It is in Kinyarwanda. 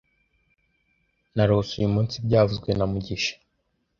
Narose uyu munsi byavuzwe na mugisha